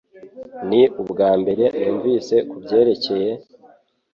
Ni ubwambere numvise kubyerekeye